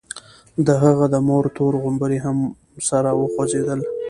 د هغه د مور تور غومبري هم سره وخوځېدل.